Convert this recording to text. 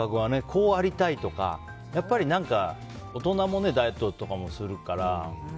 こうありたいとか大人もダイエットとかするから。